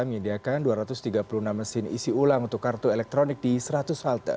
menyediakan dua ratus tiga puluh enam mesin isi ulang untuk kartu elektronik di seratus halte